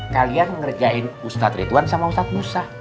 kalian ngerjain ustadz ridwan sama ustadz musa